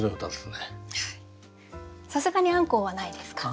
さすがにアンコウはないですか？